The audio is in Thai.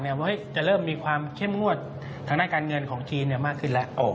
ว่าจะเริ่มมีความเข้มงวดทางด้านการเงินของจีนมากขึ้นแล้ว